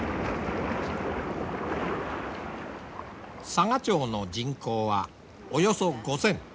佐賀町の人口はおよそ５，０００。